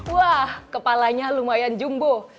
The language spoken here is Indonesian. wah kepalanya lumayan jumbo